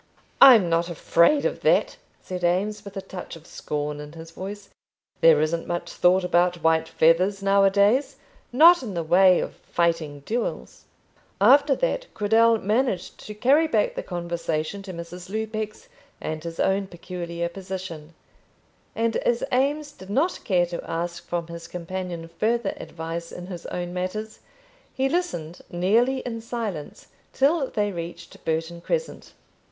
"I'm not afraid of that," said Eames, with a touch of scorn in his voice. "There isn't much thought about white feathers now a days, not in the way of fighting duels." After that, Cradell managed to carry back the conversation to Mrs. Lupex and his own peculiar position, and as Eames did not care to ask from his companion further advice in his own matters, he listened nearly in silence till they reached Burton Crescent.